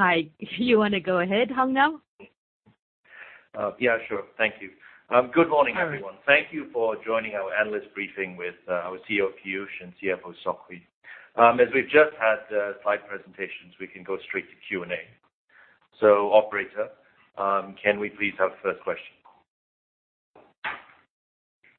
Hi. You want to go ahead, Hong Nam, now? Yeah, sure. Thank you. Good morning, everyone. Thank you for joining our analyst briefing with our CEO, Piyush, and CFO, Sok Hui. As we've just had slide presentations, we can go straight to Q&A. Operator, can we please have the first question?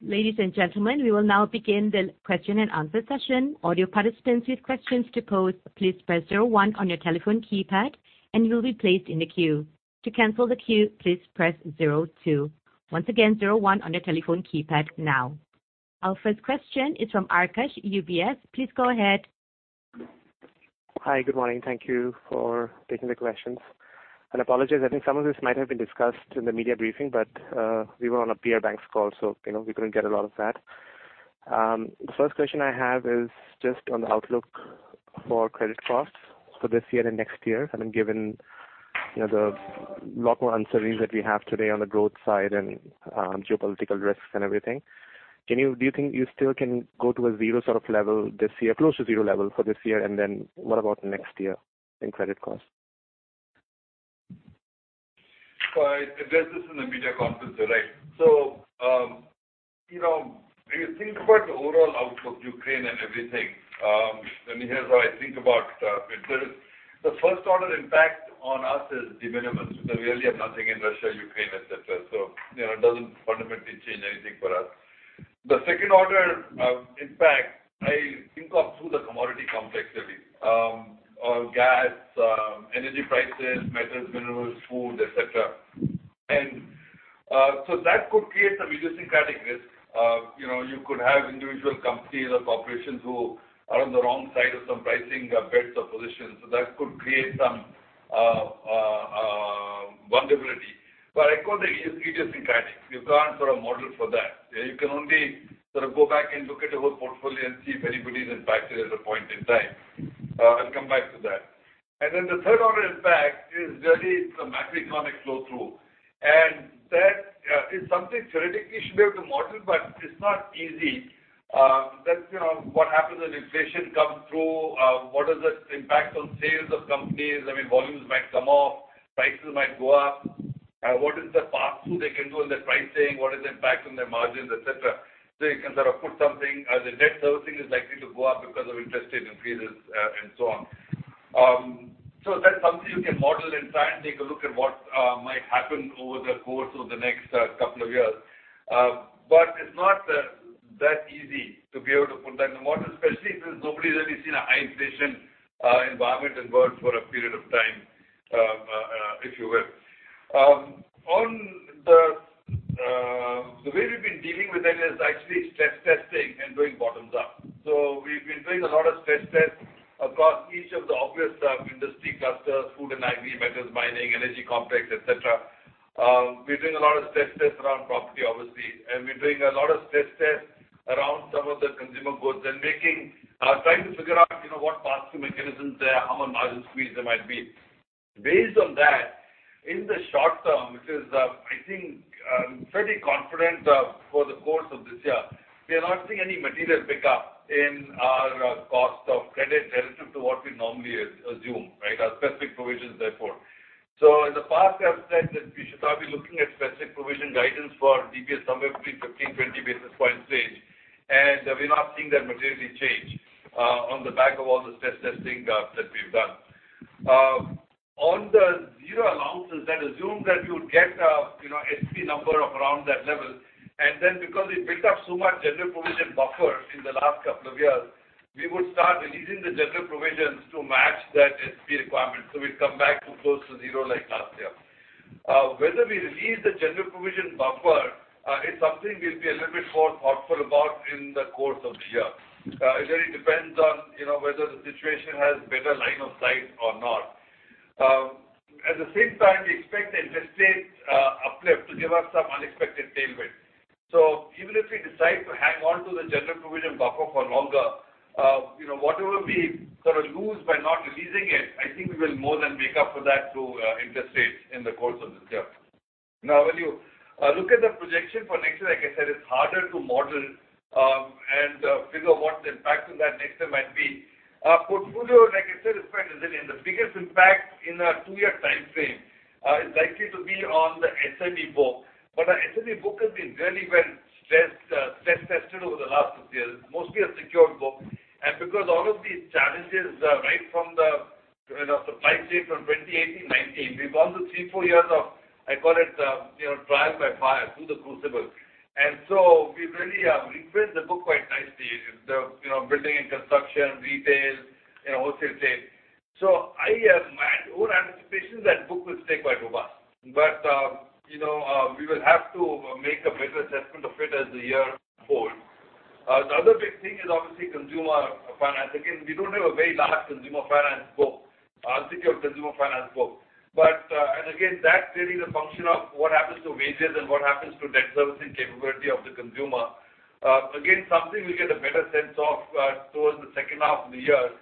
Ladies and gentlemen, we will now begin the question-and-answer session. Audio participants with questions to pose, please press zero-one on your telephone keypad, and you'll be placed in the queue. To cancel the queue, please press zero-two. Once again, zero-one on your telephone keypad now. Our first question is from Aakash, UBS. Please go ahead. Hi. Good morning. Thank you for taking the questions. Apologies, I think some of this might have been discussed in the media briefing, but we were on a peer banks call, so, you know, we couldn't get a lot of that. The first question I have is just on the outlook for credit costs for this year and next year, I mean, given, you know, a lot more uncertainties that we have today on the growth side and geopolitical risks and everything. Do you think you still can go to a zero sort of level this year, close to zero level for this year? And then what about next year in credit costs? All right. I addressed this in the media conference today. You know, if you think about the overall outlook, Ukraine and everything. Here's how I think about it. The first order impact on us is de minimis. We really have nothing in Russia, Ukraine, et cetera, you know, it doesn't fundamentally change anything for us. The second order impact I think of through the commodity complex really, gas, energy prices, metals, minerals, food, et cetera. That could create some idiosyncratic risk. You know, you could have individual companies or corporations who are on the wrong side of some pricing bets or positions. That could create some vulnerability. I call it idiosyncratic. You can't sort of model for that. You can only sort of go back and look at the whole portfolio and see if anybody's impacted at a point in time. I'll come back to that. The third order impact is really the macroeconomic flow through. That is something theoretically you should be able to model, but it's not easy. That's, you know, what happens when inflation comes through. What is the impact on sales of companies? I mean, volumes might come off, prices might go up. What is the pass-through they can do on their pricing? What is the impact on their margins, et cetera? You can sort of put something. The debt servicing is likely to go up because of interest rate increases, and so on. That's something you can model and try and take a look at what might happen over the course of the next couple of years. It's not that easy to be able to put that in the model, especially since nobody's really seen a high inflation environment in the world for a period of time, if you will. The way we've been dealing with that is actually stress testing and doing bottoms-up. We've been doing a lot of stress tests across each of the obvious industry clusters, food and agri, metals mining, energy complex, et cetera. We're doing a lot of stress tests around property, obviously, and we're doing a lot of stress tests around some of the consumer goods and making. Trying to figure out, you know, what pass-through mechanisms there are, how much margin squeeze there might be. Based on that, in the short term, which is, I think, fairly confident, for the course of this year, we are not seeing any material pickup in our cost of credit relative to what we normally assume, right? Our specific provisions, therefore. In the past, I've said that we should start looking at specific provision guidance for DBS somewhere between 15-20 basis points range. We're not seeing that materially change, on the back of all the stress testing that we've done. On the zero allowances, then assume that you'd get a, you know, SP number of around that level. Because we've built up so much general provision buffer in the last couple of years, we would start releasing the general provisions to match that SP requirement. We'll come back to close to zero like last year. Whether we release the general provision buffer is something we'll be a little bit more thoughtful about in the course of the year. It really depends on, you know, whether the situation has better line of sight or not. At the same time, we expect the interest rate uplift to give us some unexpected tailwind. Even if we decide to hang on to the general provision buffer for longer, you know, whatever we sort of lose by not releasing it, I think we will more than make up for that through interest rates in the course of this year. Now, when you look at the projection for next year, like I said, it's harder to model and figure what the impact of that next year might be. Our portfolio, like I said, is quite resilient. The biggest impact in a two year timeframe is likely to be on the SME book. Our SME book has been really well stress tested over the last two years. Mostly a secured book. Because all of these challenges are right from the, you know, the pipeline from 2018, 2019, we've gone through three, four years of, I call it, you know, trial by fire through the crucible. We really refit the book quite nicely in the, you know, building and construction, retail, you know, wholesale trade. My own anticipation is that book will stay quite robust. You know, we will have to make a better assessment of it as the year unfolds. The other big thing is obviously consumer finance. Again, we don't have a very large consumer finance book, secured consumer finance book. Again, that's really the function of what happens to wages and what happens to debt servicing capability of the consumer. Again, something we get a better sense of, towards the second half of the year,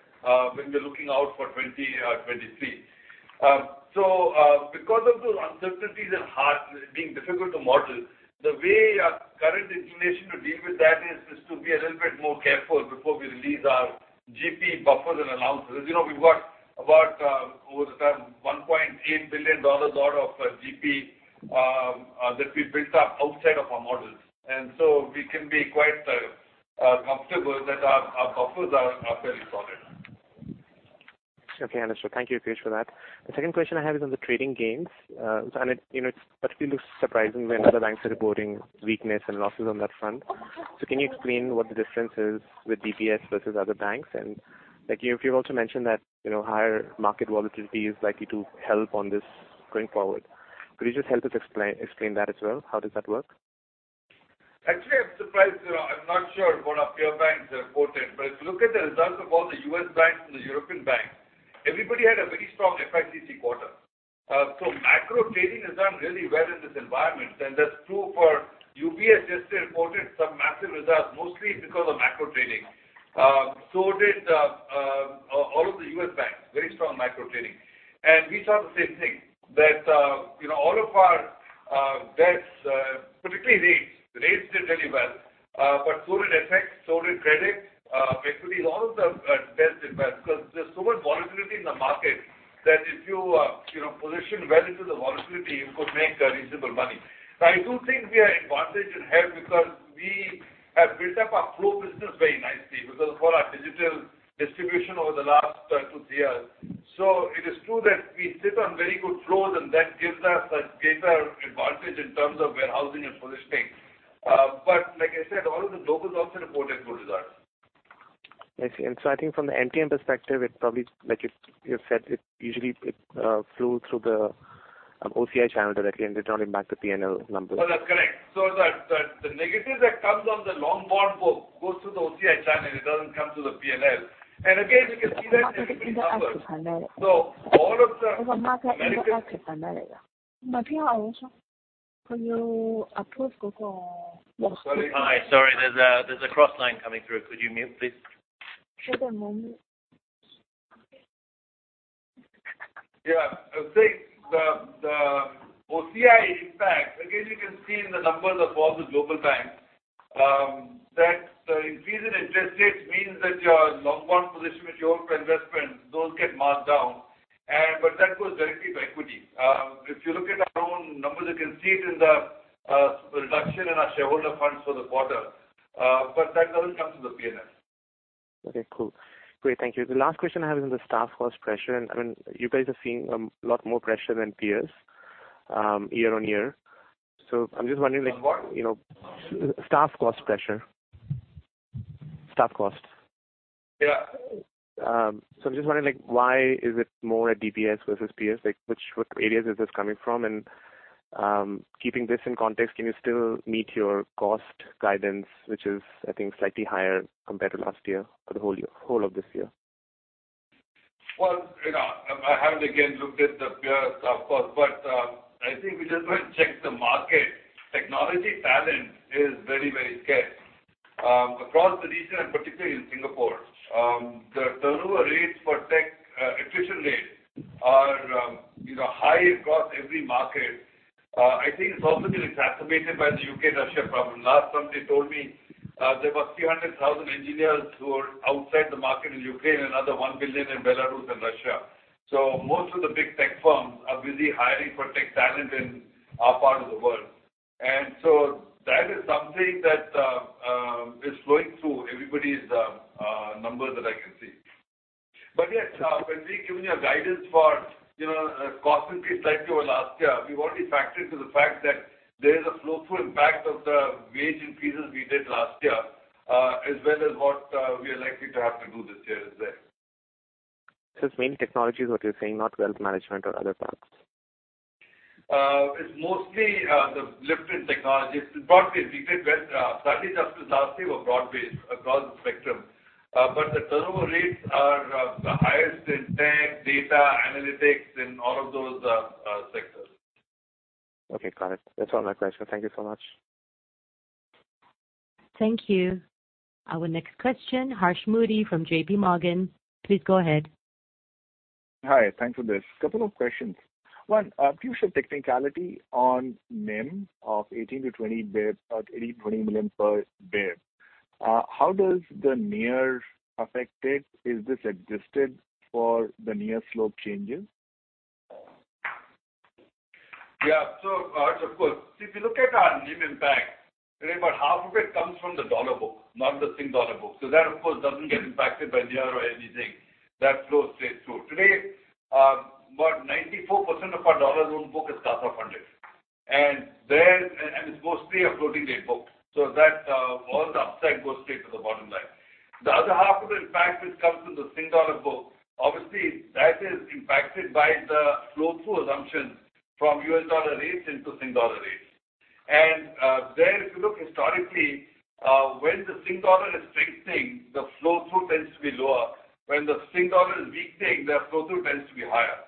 when we're looking out for 2023. Because of those uncertainties inherently being difficult to model, the way our current inclination to deal with that is to be a little bit more careful before we release our GP buffers and allowances. You know, we've got about over the time $1.8 billion out of GP that we built up outside of our models. We can be quite comfortable that our buffers are fairly solid. Okay. Understood. Thank you, Piyush, for that. The second question I have is on the trading gains. You know, it particularly looks surprising when other banks are reporting weakness and losses on that front. Can you explain what the difference is with DBS versus other banks? Like, you've also mentioned that, you know, higher market volatility is likely to help on this going forward. Could you just help us explain that as well? How does that work? Actually, I'm surprised. You know, I'm not sure what our peer banks reported. If you look at the results of all the U.S. banks and the European banks, everybody had a very strong FICC quarter. Macro trading has done really well in this environment, and that's true for UBS. UBS just reported some massive results, mostly because of macro trading. So did all of the U.S. banks, very strong macro trading. We saw the same thing, that all of our desks, particularly rates. Rates did really well, but so did FX, so did credit, equities, all of them did well because there's so much volatility in the market that if you position well into the volatility, you could make reasonable money. Now, I do think we are advantaged and helped because we have built up our flow business very nicely because of all our digital distribution over the last two, three years. It is true that we sit on very good flows, and that gives us a greater advantage in terms of warehousing and positioning. Like I said, all of the locals also reported good results. I see. I think from the MTM perspective, it probably, like you've said, it usually flew through the OCI channel directly and returned back to P&L numbers. Well, that's correct. The negative that comes on the long bond book goes through the OCI channel. It doesn't come through the P&L. Again, you can see that in the numbers. All of the negative. Hi. Sorry, there's a cross line coming through. Could you mute, please? Yeah. I think the OCI impact, again, you can see in the numbers of all the global banks, that the increase in interest rates means that your long bond position with your investments, those get marked down, but that goes directly to equity. If you look at our own numbers, you can see it in the reduction in our shareholder funds for the quarter. That doesn't come to the P&L. Okay. Cool. Great. Thank you. The last question I have is on the staff cost pressure. I mean, you guys are seeing a lot more pressure than peers year-on-year. I'm just wondering, like- On what? You know, staff cost pressure. Yeah. I'm just wondering, like, why is it more at DBS versus peers? Like, what areas is this coming from? Keeping this in context, can you still meet your cost guidance, which is, I think, slightly higher compared to last year for the whole year, whole of this year? Well, you know, I haven't again looked at the peer staff cost, but I think if you just go and check the market, technology talent is very, very scarce across the region and particularly in Singapore. The turnover rates for tech attrition rates are, you know, high across every market. I think it's also been exacerbated by the Ukraine, Russia problem. Last time they told me, there were 300,000 engineers who are outside the market in Ukraine and another 1,000,000 in Belarus and Russia. So most of the big tech firms are busy hiring for tech talent in our part of the world. That is something that is flowing through everybody's numbers that I can see. Yes, when we are giving a guidance for, you know, cost increase like to last year, we've already factored in the fact that there is a flow-through impact of the wage increases we did last year, as well as what we are likely to have to do this year. Is there. It's mainly technology is what you're saying, not wealth management or other parts. It's mostly the lift in technology. It's broad-based. We did well. Salary jumps this last year were broad-based across the spectrum. The turnover rates are the highest in tech, data, analytics, in all of those sectors. Okay. Got it. That's all my questions. Thank you so much. Thank you. Our next question, Harsh Modi from JPMorgan. Please go ahead. Hi. Thanks for this. Couple of questions. One, Piyush, a technicality on NIM of 18-20 basis, 18 million-20 million per basis. How does the NIR affect it? Is this adjusted for the NIR slope changes? Yeah. Harsh, of course. If you look at our NIM impact, today about half of it comes from the dollar book, not the Sing Dollar book. That of course doesn't get impacted by NIR or anything. That flows straight through. Today, about 94% of our dollar loan book is CASA funded. And it's mostly a floating rate book. That all the upside goes straight to the bottom line. The other half of the impact, which comes from the Sing Dollar book, obviously that is impacted by the flow-through assumptions from U.S. dollar rates into Sing Dollar rates. There, if you look historically, when the Sing Dollar is strengthening, the flow-through tends to be lower. When the Sing Dollar is weakening, the flow-through tends to be higher.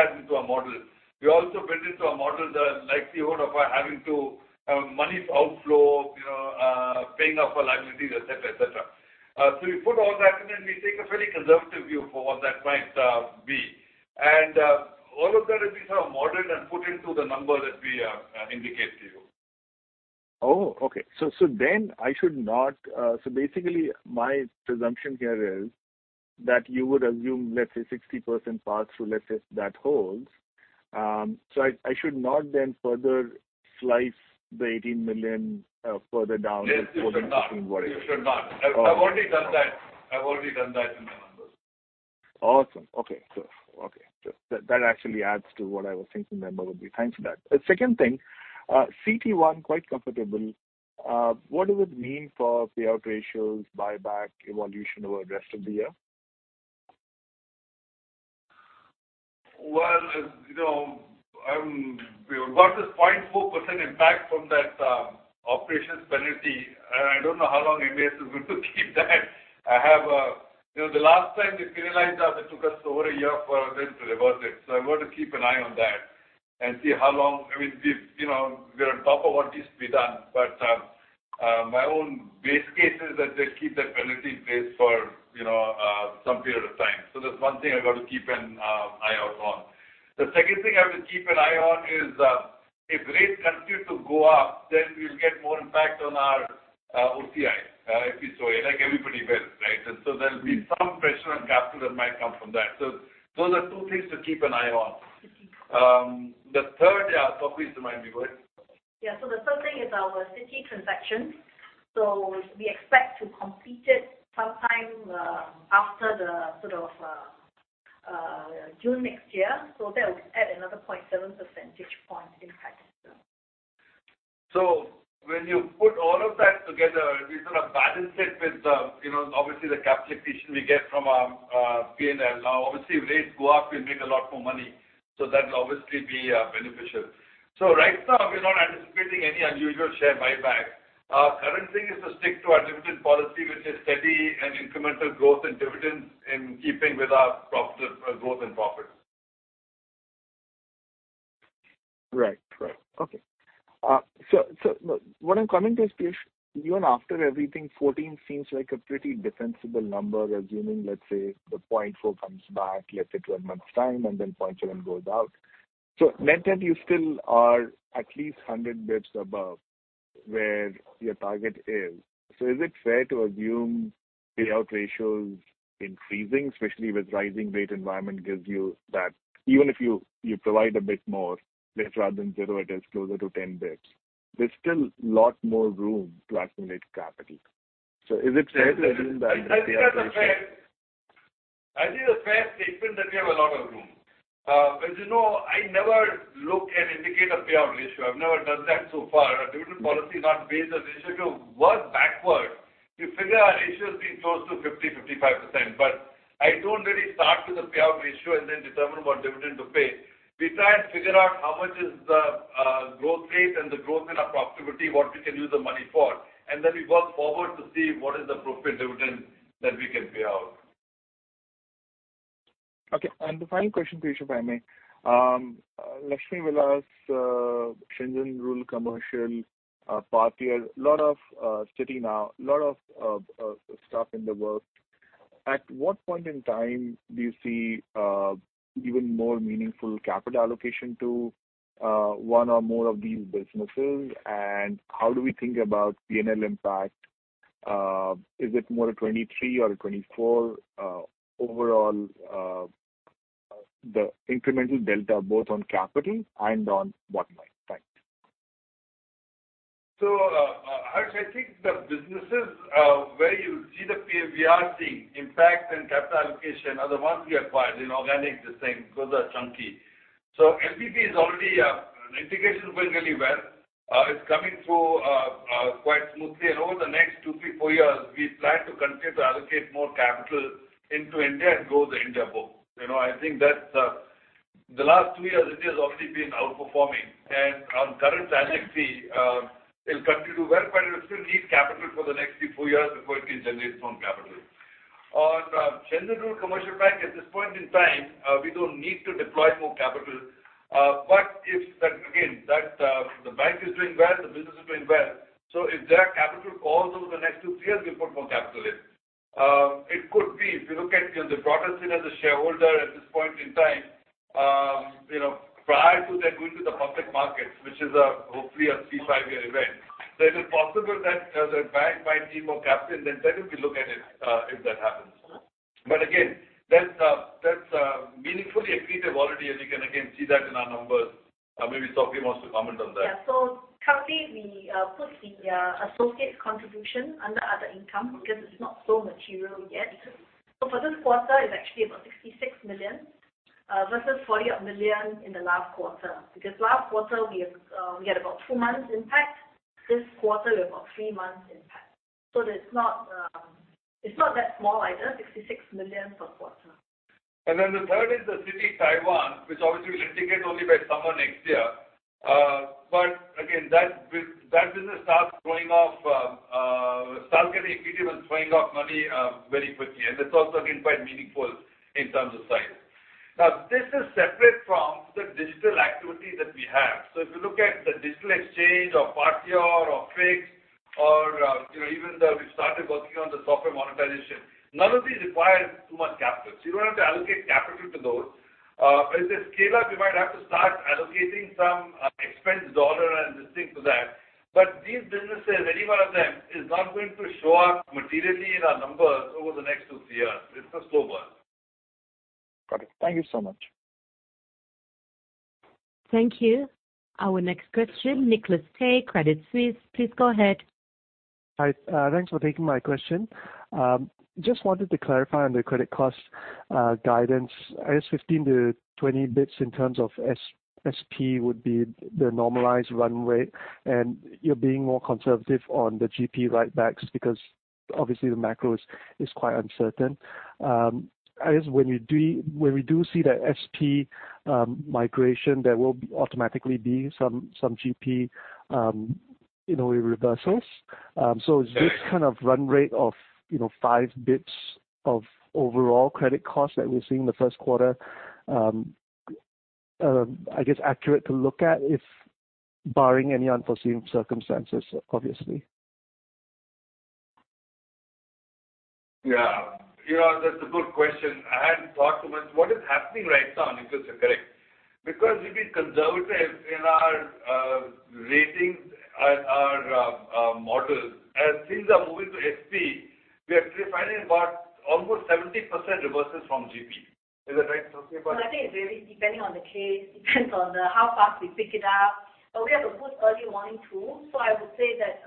On average, if you look through cycles, you tend to get roughly a 60% or so flow-through from U.S. into Sing Dollar. Right? When we build our models, we take a flow-through assumption of where we see the Sing Dollar going, where the Sing Dollar will tighten, weaken, and we build that into our model. We also build into our model the likelihood of our having to money outflow, you know, paying off our liabilities, et cetera, et cetera. We put all that and then we take a very conservative view for what that might be. All of that we sort of modeled and put into the number that we indicate to you. Okay. Basically my presumption here is that you would assume, let's say 60% pass through, let's say if that holds. I should not then further slice the 18 million further down. Yes. You should not. Into working capital. Okay. I've already done that in the numbers. Awesome. Okay, cool. That actually adds to what I was thinking the number would be. Thanks for that. The second thing, CET1 quite comfortable. What does it mean for payout ratios, buyback, evolution over the rest of the year? Well, you know, we've got this 0.4% impact from that operations penalty. I don't know how long MAS is going to keep that. You know, the last time they penalized us, it took us over a year for them to reverse it. I'm going to keep an eye on that and see how long. I mean, we've, you know, we're on top of what needs to be done. My own base case is that they'll keep that penalty in place for, you know, some period of time. That's one thing I got to keep an eye out on. The second thing I will keep an eye on is if rates continue to go up, then we'll get more impact on our OCI as we saw it, like everybody will, right? There'll be some pressure on capital that might come from that. Those are two things to keep an eye on. The third, yeah, Sok Hui's remind me. Go ahead. The third thing is our Citi transaction. We expect to complete it sometime after the sort of June next year. That will add another 0.7 percentage point in capital. When you put all of that together, we sort of balance it with the, you know, obviously the capital efficiency we get from our P&L. Now, obviously if rates go up, we'll make a lot more money, so that'll obviously be beneficial. Right now we're not anticipating any unusual share buyback. Our current thing is to stick to our dividend policy, which is steady and incremental growth in dividends in keeping with our profit growth in profits. Right. Okay. So what I'm coming to is, Piyush, even after everything, 14 seems like a pretty defensible number, assuming, let's say the 0.4 comes back, let's say 12 months time and then 0.7 goes out. Net-net you still are at least 100 basis points above where your target is. Is it fair to assume payout ratios increasing, especially with rising rate environment gives you that? Even if you provide a bit more, let's say rather than zero, it is closer to 10 basis points. There's still lot more room to accumulate capital. Is it fair to assume that the payout ratio? I think a fair statement that we have a lot of room. You know, I never look and indicate a payout ratio. I've never done that so far. Our dividend policy is not based on ratio. To work backward, we figure our ratio has been close to 50%-55%, but I don't really start with a payout ratio and then determine what dividend to pay. We try and figure out how much is the growth rate and the growth in our profitability, what we can use the money for, and then we work forward to see what is the appropriate dividend that we can pay out. Okay. The final question to you, Piyush, if I may. Lakshmi Vilas, Shenzhen Rural Commercial, Partior, a lot of activity now. A lot of stuff in the works. At what point in time do you see even more meaningful capital allocation to one or more of these businesses? And how do we think about P&L impact? Is it more 2023 or 2024, overall, the incremental delta both on capital and on bottom line? Thanks. Harsh, I think the businesses impact and capital allocation are the ones we acquired inorganic, the same, because they're chunky. LVB integration went really well. It's coming through quite smoothly. Over the next two, three, four years, we plan to continue to allocate more capital into India and grow the India book. You know, I think that's the last two years India has already been outperforming. Our current strategy will continue to work, but it'll still need capital for the next three, four years before it can generate its own capital. On Shenzhen Rural Commercial Bank, at this point in time, we don't need to deploy more capital. If that, again, the bank is doing well, the business is doing well. If their capital falls over the next two, three years, we put more capital in. It could be if you look at, you know, they brought us in as a shareholder at this point in time, you know, prior to them going to the public markets, which is, hopefully a three, five year event. It is possible that as a bank might need more capital, then certainly we look at it, if that happens. Again, that's meaningfully accretive already, and you can again see that in our numbers. Maybe Sok Hui wants to comment on that. Yeah. Currently we put the associates contribution under other income because it's not so material yet. For this quarter, it's actually about 66 million versus 40-odd million in the last quarter. Because last quarter we had about two months impact. This quarter we have about three months impact. That it's not, it's not that small either, 66 million per quarter. The third is the Citi Taiwan, which obviously we'll integrate only by summer next year. Again that business starts getting accretive and throwing off money very quickly. That's also again quite meaningful in terms of size. Now this is separate from the digital activity that we have. If you look at the digital exchange or Partior or FIX or, you know, even the software monetization we started working on. None of these require too much capital, so you don't have to allocate capital to those. As they scale up, we might have to start allocating some expense dollars and things like that. These businesses, any one of them, is not going to show up materially in our numbers over the next two, three years. It's a slow burn. Got it. Thank you so much. Thank you. Our next question, Nicholas Teh, Credit Suisse, please go ahead. Hi. Thanks for taking my question. Just wanted to clarify on the credit cost guidance. I guess 15-20 basis points in terms of SP would be the normalized run rate, and you're being more conservative on the GP write-backs because obviously the macro is quite uncertain. I guess when we do see the SP migration, there will automatically be some GP reversals. Is this kind of run rate of, you know, 5 basis points of overall credit costs that we're seeing in the first quarter accurate to look at if barring any unforeseen circumstances, obviously? Yeah. You know, that's a good question. I hadn't thought too much what is happening right now, Nicholas, you're correct. Because we've been conservative in our ratings and our models. As things are moving to SP, we are finding about almost 70% reversals from GP. Is that right, Sok Hui? No, I think it's really depending on the case, depends on how fast we pick it up. We have a good early warning tool. I would say that,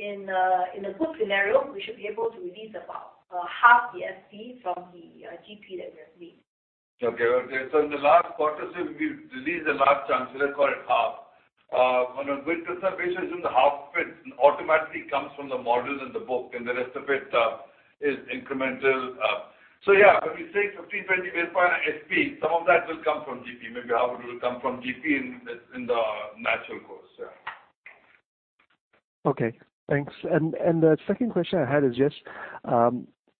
in a good scenario, we should be able to release about half the SP from the GP that we have made. Okay. In the last quarter, we've released a large chunk, let's call it half. On a good provision, some of the half of it automatically comes from the models in the book, and the rest of it is incremental. Yeah, when we say 15-20, we'll find SP. Some of that will come from GP. Maybe half of it will come from GP in the natural course, yeah. Okay, thanks. The second question I had is just,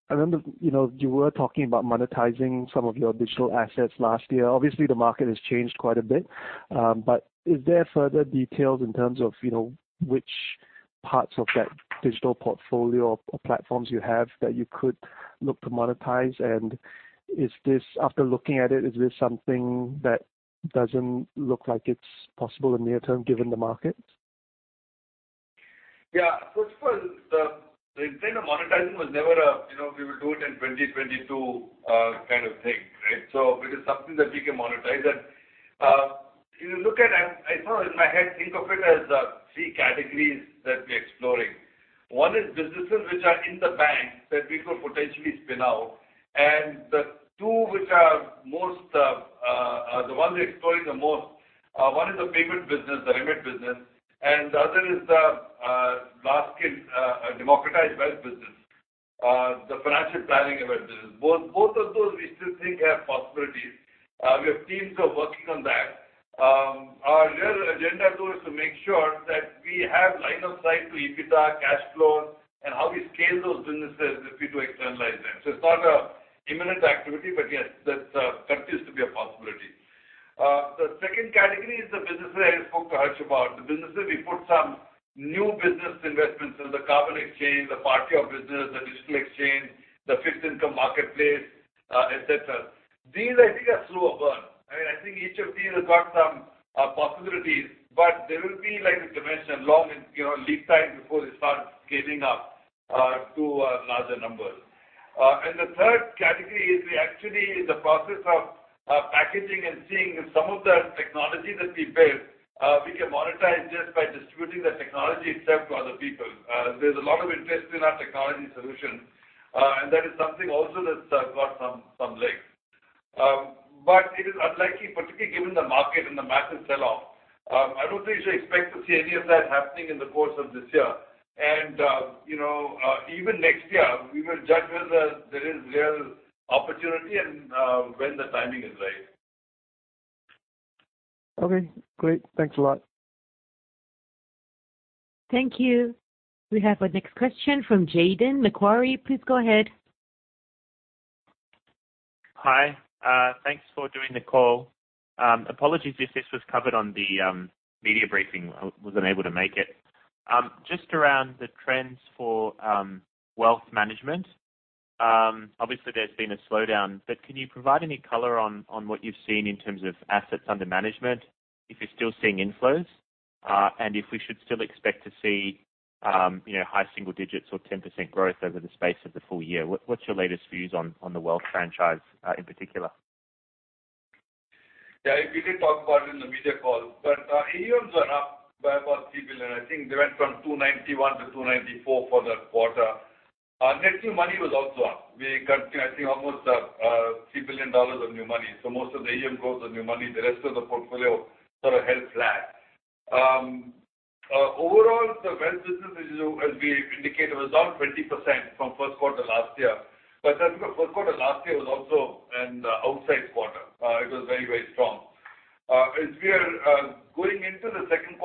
I remember, you know, you were talking about monetizing some of your digital assets last year. Obviously, the market has changed quite a bit. But is there further details in terms of, you know, which parts of that digital portfolio or platforms you have that you could look to monetize? And is this, after looking at it, is this something that doesn't look like it's possible in near term given the market? Yeah. First of all, the intent of monetizing was never a, you know, we will do it in 2022 kind of thing, right? It is something that we can monetize. If you look at it, I sort of in my head think of it as three categories that we're exploring. One is businesses which are in the bank that we could potentially spin out. The two which are most the ones we're exploring the most, one is the payment business, the remit business, and the other is the NAV Planner, democratized wealth business, the financial planning tool business. Both of those we still think have possibilities. We have teams who are working on that. Our real agenda too is to make sure that we have line of sight to EBITDA, cash flows, and how we scale those businesses if we do externalize them. It's not a imminent activity, but yes, that continues to be a possibility. The second category is the businesses I spoke to Harsh about, the businesses we put some new business investments in Climate Impact X, the Partior business, the DBS Digital Exchange, the FIX Marketplace, etc. These I think are slower burn. I think each of these has got some possibilities, but there will be like conventional long, you know, lead time before they start scaling up to larger numbers. The third category is we actually in the process of packaging and seeing if some of the technology that we built we can monetize just by distributing the technology itself to other people. There's a lot of interest in our technology solutions, and that is something also that's got some legs. It is unlikely, particularly given the market and the massive sell-off, I don't think you should expect to see any of that happening in the course of this year. You know, even next year, we will judge whether there is real opportunity and when the timing is right. Okay, great. Thanks a lot. Thank you. We have our next question from Jayden, Macquarie. Please go ahead. Hi. Thanks for doing the call. Apologies if this was covered on the media briefing. I was unable to make it. Just around the trends for wealth management. Obviously there's been a slowdown, but can you provide any color on what you've seen in terms of assets under management, if you're still seeing inflows? If we should still expect to see you know, high single digits or 10% growth over the space of the full year. What's your latest views on the wealth franchise in particular? We did talk about it in the media call, but AUMs were up by about 3 billion. I think they went from 291 billion to 294 billion for that quarter. Net new money was also up. We got, I think, almost $3 billion of new money. Most of the AUM growth was new money. The rest of the portfolio sort of held flat. Overall, the wealth business, as we indicated, was down 20% from Q1 last year. That's because Q1 last year was also an outsize quarter. It was very, very strong. As we are going into the Q2,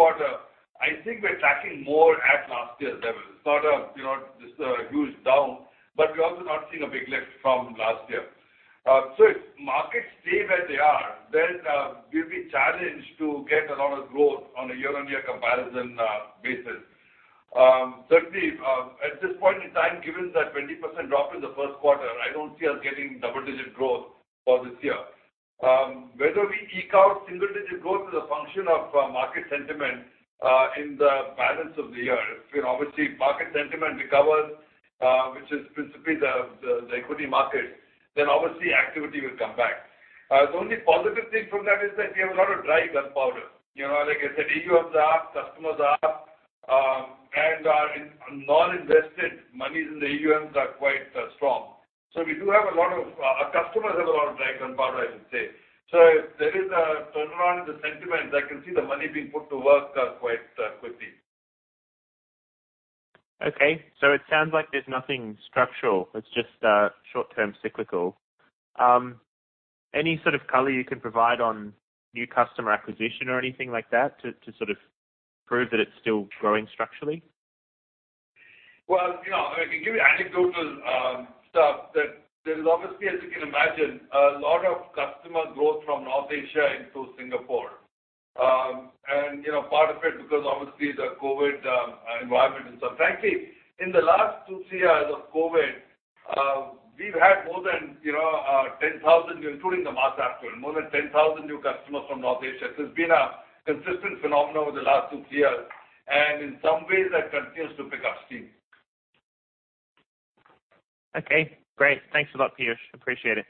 I think we're tracking more at last year's level. Sort of, you know, just a huge down, but we're also not seeing a big lift from last year. If markets stay where they are, then we'll be challenged to get a lot of growth on a year-on-year comparison basis. Certainly, at this point in time, given that 20% drop in the Q1, I don't see us getting double-digit growth for this year. Whether we eke out single-digit growth is a function of market sentiment in the balance of the year. If, you know, obviously market sentiment recovers, which is principally the equity market, then obviously activity will come back. The only positive thing from that is that we have a lot of dry powder. You know, like I said, AUMs are up, customers are up, and our non-invested monies in the AUMs are quite strong. We do have a lot of our customers have a lot of dry powder, I should say. If there is a turnaround in the sentiment, I can see the money being put to work quite quickly. Okay. It sounds like there's nothing structural. It's just short-term cyclical. Any sort of color you can provide on new customer acquisition or anything like that to sort of prove that it's still growing structurally? Well, you know, I can give you anecdotal stuff that there is obviously, as you can imagine, a lot of customer growth from North Asia into Singapore. You know, part of it because obviously the COVID environment and so on. Frankly, in the last two years of COVID, we've had more than, you know, 10,000, including the mass affluent, more than 10,000 new customers from North Asia. It's been a consistent phenomenon over the last two years, and in some ways that continues to pick up steam. Okay, great. Thanks a lot, Piyush. Appreciate it.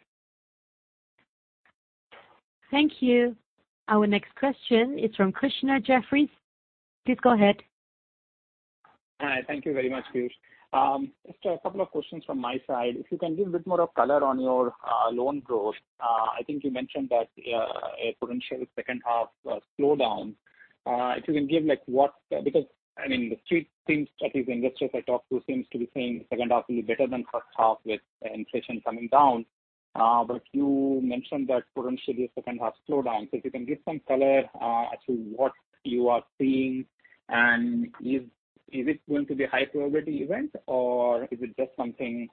Thank you. Our next question is from Krishna Guha. Please go ahead. Hi. Thank you very much, Piyush. Just a couple of questions from my side. If you can give a bit more of color on your loan growth. I think you mentioned that a potential second half slowdown. Because I mean, the street seems, at least investors I talk to seems to be saying second half will be better than first half with inflation coming down. But you mentioned that potentially a second half slowdown. So if you can give some color as to what you are seeing, and is it going to be a high probability event or is it just something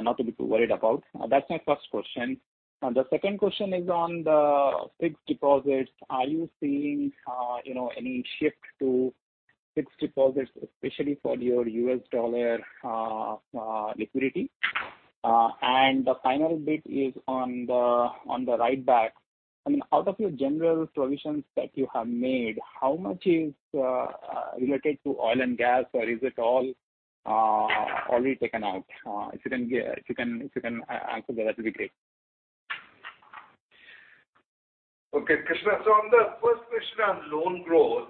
not to be too worried about? That's my first question. The second question is on the fixed deposits. Are you seeing, you know, any shift to fixed deposits, especially for your U.S. dollar liquidity? The final bit is on the write back. I mean, out of your general provisions that you have made, how much is related to oil and gas, or is it all already taken out? If you can answer that'd be great. Okay, Krishna. On the first question on loan growth,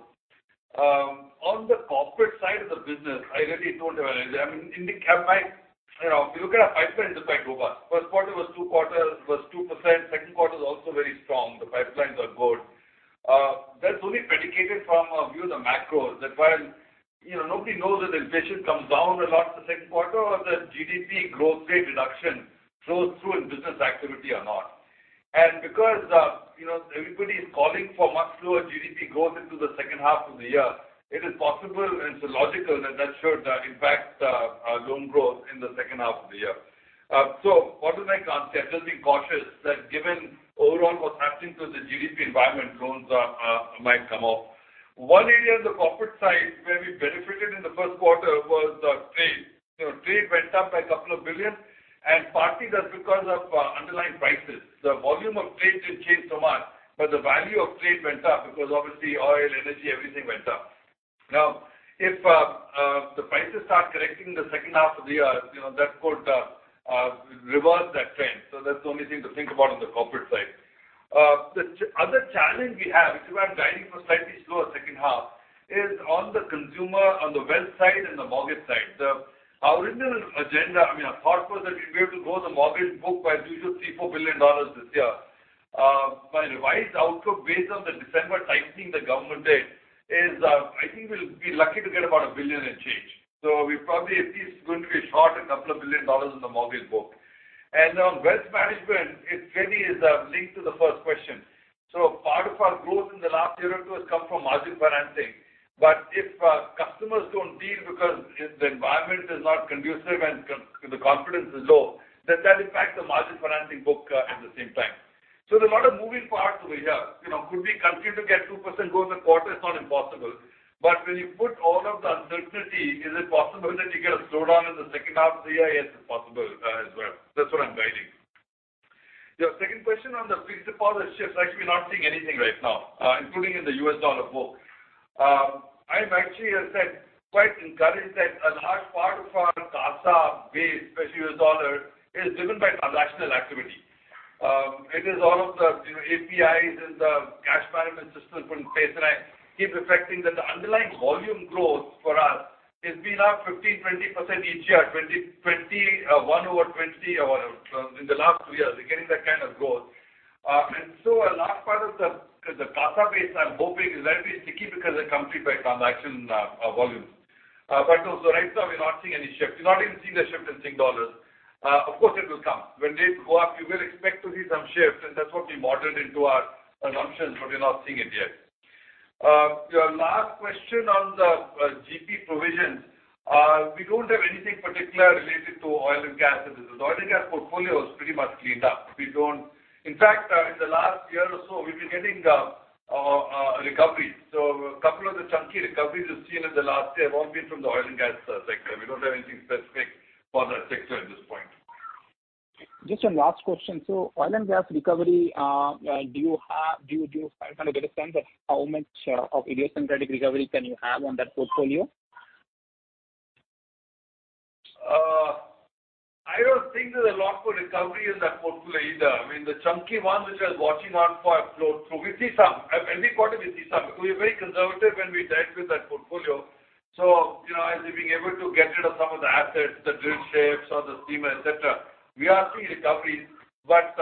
on the corporate side of the business, I really don't have an answer. I mean, in the cap finance, you know, if you look at our pipeline, it's quite robust. Q1 was 2%. Second quarter is also very strong. The pipelines are good. That's only predicated from a view of the macro that while, you know, nobody knows that inflation comes down a lot in the Q2 or the GDP growth rate reduction flows through in business activity or not. Because, you know, everybody is calling for much lower GDP growth into the second half of the year, it is possible and it's logical that that should impact our loan growth in the second half of the year. What is my concept? Just being cautious that given overall what's happening to the GDP environment, loans might come off. One area of the corporate side where we benefited in the Q1 was trade. You know, trade went up by 2 billion, and partly that's because of underlying prices. The volume of trade didn't change so much, but the value of trade went up because obviously oil, energy, everything went up. Now, if the prices start correcting the second half of the year, you know, that could reverse that trend. So that's the only thing to think about on the corporate side. The other challenge we have, which is why I'm guiding for slightly slower second half, is on the consumer, on the wealth side and the mortgage side. The original agenda, I mean, our thought was that we'd be able to grow the mortgage book by $2 billion-$4 billion this year. My revised outlook based on the December tightening the government did is, I think we'll be lucky to get about $1 billion and change. We probably at least going to be short a couple of billion dollars in the mortgage book. On wealth management, it really is linked to the first question. Part of our growth in the last year or two has come from margin financing. If customers don't deal because the environment is not conducive and the confidence is low, then that impacts the margin financing book at the same time. There are a lot of moving parts over here. You know, could we continue to get 2% growth in the quarter? It's not impossible. When you put all of the uncertainty, is it possible that you get a slowdown in the second half of the year? Yes, it's possible as well. That's what I'm guiding. Your second question on the fixed deposit shifts, actually we're not seeing anything right now, including in the U.S. dollar book. I'm actually, as I said, quite encouraged that a large part of our CASA base, especially U.S. dollar, is driven by transactional activity. It is all of the, you know, APIs and the cash management system putting pace. I keep reflecting that the underlying volume growth for us has been up 15%-20% each year, 2021 over 2020 or whatever. In the last two years, we're getting that kind of growth. A large part of the CASA base I'm hoping is very sticky because they're captive by transaction volume. No, right now we're not seeing any shift. We're not even seeing the shift in Sing Dollar. Of course, it will come. When rates go up, you will expect to see some shift, and that's what we modeled into our assumptions, but we're not seeing it yet. Your last question on the GP provisions, we don't have anything particular related to oil and gas in this. The oil and gas portfolio is pretty much cleaned up. In fact, in the last year or so, we've been getting recovery. A couple of the chunky recoveries we've seen in the last year have all been from the oil and gas sector. We don't have anything specific for that sector at this point. Just one last question. Oil and gas recovery, do you kind of get a sense of how much of idiosyncratic recovery can you have on that portfolio? I don't think there's a lot more recovery in that portfolio either. I mean, the chunky one which I was watching out for have flowed through. We see some. Every quarter we see some. We're very conservative when we dealt with that portfolio, so, you know, as we've been able to get rid of some of the assets, the drill ships or the steam, et cetera, we are seeing recovery. But,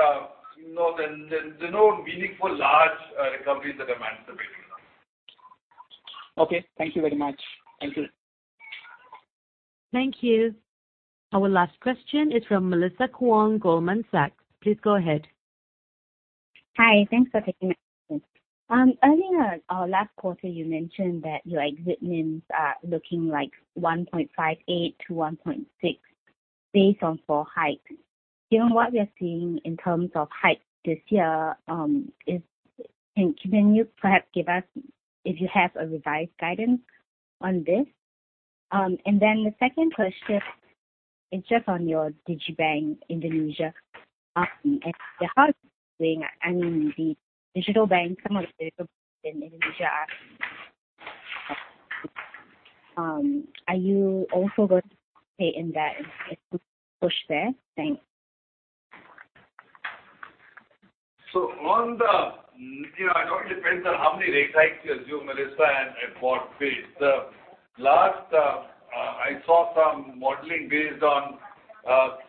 you know, there are no meaningful large recoveries that I'm anticipating now. Okay. Thank you very much. Thank you. Thank you. Our last question is from Melissa Kuang, Goldman Sachs. Please go ahead. Hi. Thanks for taking my question. Earlier, last quarter, you mentioned that your exit NIMs are looking like 1.58%-1.6% based on four hikes. Given what we are seeing in terms of hikes this year, can you perhaps give us, if you have, a revised guidance on this? Then the second question is just on your digibank Indonesia offering. At the heart of this thing, I mean the digital bank in Indonesia. Are you also going to stay in that and push there? Thanks. You know, it all depends on how many rate hikes you assume, Melissa, and what phase. The last I saw some modeling based on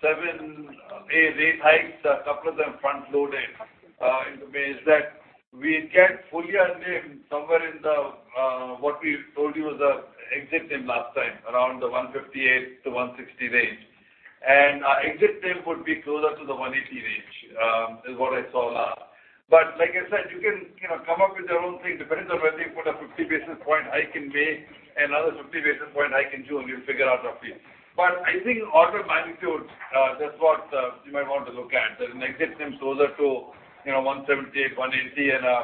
seven rate hikes, a couple of them frontloaded, in the base that we get full year NIM somewhere in the what we told you was the exit NIM last time, around the 1.58-1.60 range. Our exit NIM would be closer to the 1.80 range, is what I saw last. Like I said, you can, you know, come up with your own thing. It depends on whether you put a 50 basis point hike in May, another 50 basis point hike in June, we'll figure out roughly. I think order of magnitude, that's what you might want to look at. An exit NIM closer to, you know, 1.70%-1.80% and a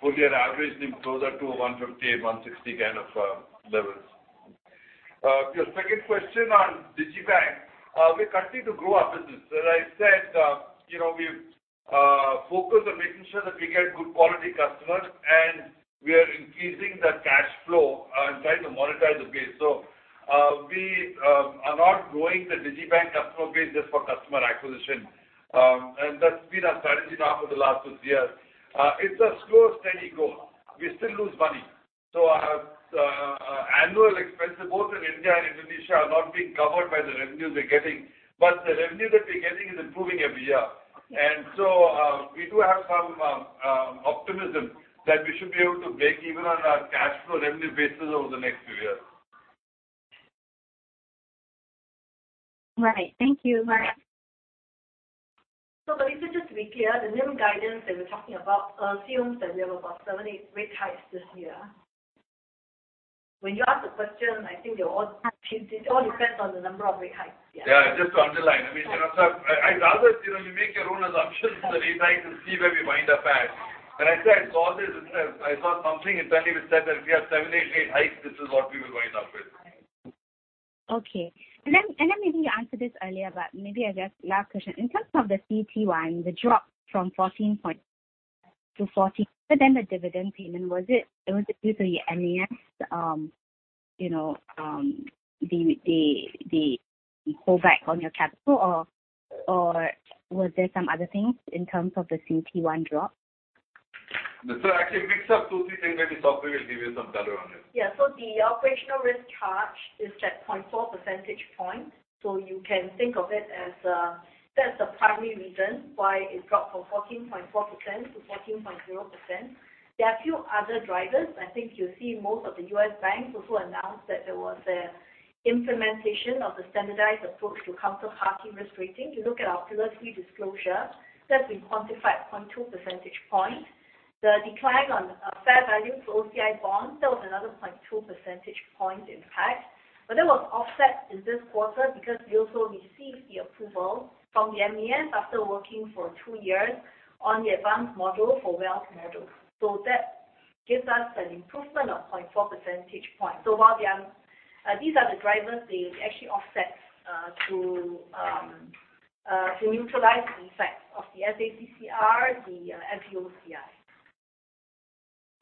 full year average NIM closer to 1.50%-1.60% kind of levels. Your second question on digibank, we continue to grow our business. As I said, you know, we focus on making sure that we get good quality customers, and we are increasing the cash flow and trying to monetize the base. We are not growing the digibank customer base just for customer acquisition. That's been our strategy now for the last two years. It's a slow, steady goal. We still lose money. Our annual expense both in India and Indonesia are not being covered by the revenue we're getting, but the revenue that we're getting is improving every year. We do have some optimism that we should be able to break even on our cash flow revenue basis over the next few years. Right. Thank you. All right. Melissa, just to be clear, the NIM guidance that we're talking about assumes that we have about seven, eight rate hikes this year. When you ask the question, I think it all depends on the number of rate hikes. Yeah. Yeah, just to underline. I mean, you know, I'd rather, you know, you make your own assumptions on the rate hikes and see where we wind up at. When I say I saw this, I saw something internally which said that if we have seven, eight rate hikes, this is what we will wind up with. Okay. Maybe you answered this earlier, but maybe I'll just. Last question. In terms of the CET1, the drop from 14% to 14%, but then the dividend payment, was it due to the MAS, you know, the pull back on your capital or was there some other things in terms of the CET1 drop? Actually, mix of two, three things. Maybe Sok Hui will give you some color on this. Yeah. The operational risk charge is that 0.4 percentage point. You can think of it as, that's the primary reason why it dropped from 14.4% to 14.0%. There are a few other drivers. I think you see most of the U.S. banks also announced that there was an implementation of the Standardized Approach to Counterparty Credit Risk. If you look at our Pillar 3 disclosure, that we quantified 0.2 percentage point. The decline on fair value for OCI bonds, that was another 0.2 percentage point impact. But that was offset in this quarter because we also received the approval from the MAS after working for two years on the advanced model for wealth model. That gives us an improvement of 0.4 percentage point. While these are the drivers, they actually offset to neutralize the effect of the SA-CCR, the MV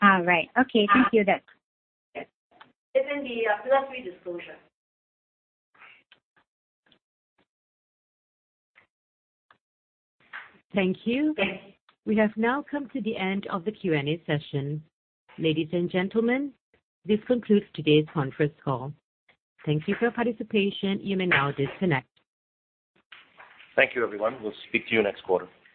OCI. All right. Okay. Thank you. It's in the Pillar 3 disclosure. Thank you. We have now come to the end of the Q&A session. Ladies and gentlemen, this concludes today's conference call. Thank you for your participation. You may now disconnect. Thank you, everyone. We'll speak to you next quarter.